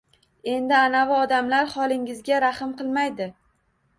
Endi anavi odamlar holingizga rahm qilmaydi.